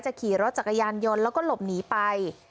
ขี่รถจักรยานยนต์แล้วก็หลบหนีไป